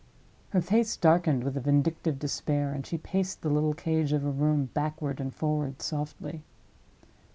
Her face darkened with a vindictive despair, and she paced the little cage of a room backward and forward, softly.